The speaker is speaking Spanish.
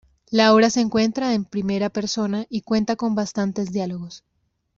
La obra se cuenta en primera persona, y cuenta con bastantes diálogos.